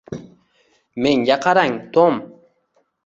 Menga qarang, Tom